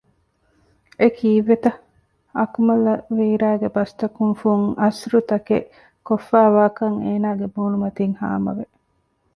އެކީއްވެތަ؟ އަކުމަލްއަށް ވީރާގެ ބަސްތަކުން ފުން އަސްރުތަކެއް ކޮށްފައިވާކަން އޭނާގެ މޫނުމަތިން ހާމަވެ